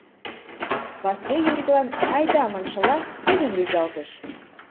Васлий Юриклан, «Айда» маншыла, кидым рӱзалтыш.